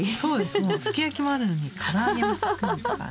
もうすき焼きもあるのにから揚げも作るとかね。